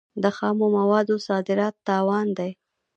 د خامو موادو صادرات تاوان دی.